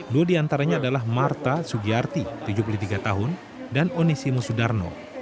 dua di antaranya adalah marta sugiyarti tujuh puluh tiga tahun dan onesimo sudarno